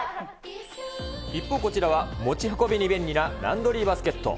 一方、こちらは持ち運びに便利なランドリーバスケット。